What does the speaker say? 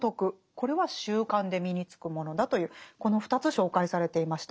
これは習慣で身につくものだというこの２つ紹介されていました。